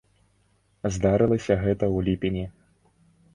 Здарылася гэта ў ліпені.